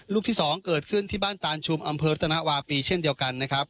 ลูกที่๒เกิดขึ้นที่บ้านตานชุมอำเภอรัตนวาปีเช่นเดียวกันนะครับ